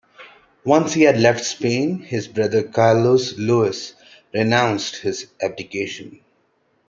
Once he had left Spain, his brother Carlos Luis renounced his abdication.